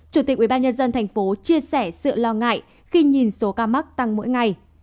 chủ tịch ubnd tp chia sẻ sự lo ngại khi nhìn số ca mắc tăng mỗi ngày